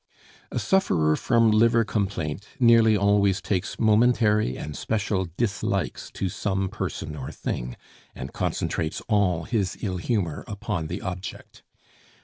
A sufferer from liver complaint nearly always takes momentary and special dislikes to some person or thing, and concentrates all his ill humor upon the object.